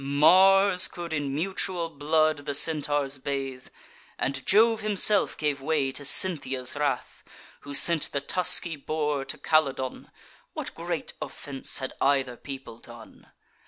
Mars could in mutual blood the Centaurs bathe, And Jove himself gave way to Cynthia's wrath, Who sent the tusky boar to Calydon; What great offence had either people done?